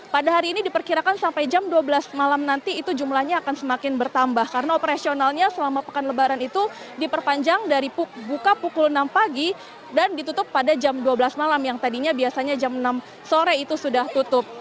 pada hari ini diperkirakan sampai jam dua belas malam nanti itu jumlahnya akan semakin bertambah karena operasionalnya selama pekan lebaran itu diperpanjang dari buka pukul enam pagi dan ditutup pada jam dua belas malam yang tadinya biasanya jam enam sore itu sudah tutup